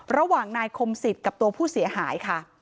ระหว่างนายคมสิทธิ์กับตัวผู้เสียหายค่ะ